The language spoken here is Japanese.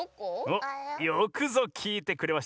およくぞきいてくれました！